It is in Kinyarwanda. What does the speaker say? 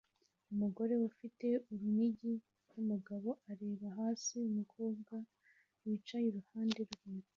Umugore ufite urunigi rw'umugabo areba hasi umukobwa wicaye iruhande rwe